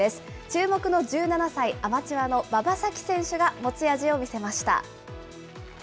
注目の１７歳、アマチュアの馬場咲希選手が持ち味を見せました。